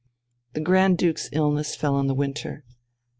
The Grand Duke's illness fell in the winter.